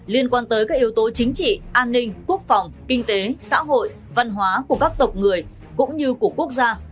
liên quan tới các yếu tố chính trị an ninh quốc phòng kinh tế xã hội văn hóa của các tộc người cũng như của quốc gia